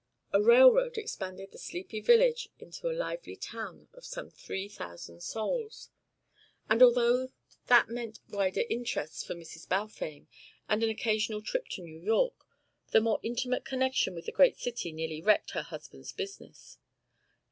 A railroad expanded the sleepy village into a lively town of some three thousand inhabitants, and although that meant wider interests for Mrs. Balfame, and an occasional trip to New York, the more intimate connection with a great city nearly wrecked her husband's business.